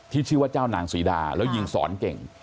ชื่อว่าเจ้านางศรีดาแล้วยิงสอนเก่ง